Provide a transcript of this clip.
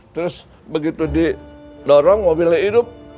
terus begitu di dorong mobilnya hidup